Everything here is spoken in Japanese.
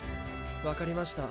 分かりました。